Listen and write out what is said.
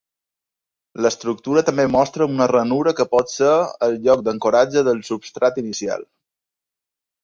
L'estructura també mostra una ranura que pot ser el lloc d'ancoratge del substrat inicial.